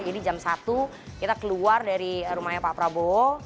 jadi jam satu kita keluar dari rumahnya pak prabowo